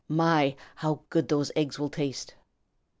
My, how good those eggs will taste!"